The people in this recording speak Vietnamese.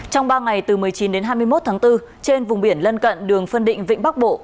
trong ba ngày từ một mươi chín đến hai mươi một tháng bốn trên vùng biển lân cận đường phân định vịnh bắc bộ